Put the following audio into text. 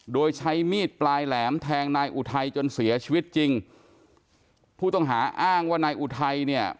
โดยใช้มีดปลายแหลมแทงนายอุทัยจนเสียชีวิตจริงผู้ต้องหาอ้างว่านายอุทัยเนี่ย